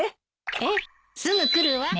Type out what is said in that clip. ええすぐ来るわ。